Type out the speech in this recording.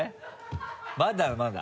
まだまだ。